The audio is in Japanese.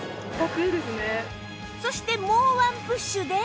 そしてもうワンプッシュで